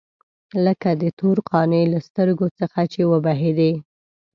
لکه د تور قانع له سترګو څخه چې وبهېدې.